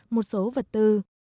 một số vật tư